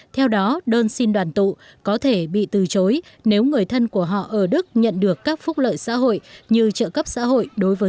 theo đó đơn xin đoàn tụ có thể bị từ chối nếu người thân của họ ở đức nhận được các phúc lợi xã hội như trợ cấp xã hội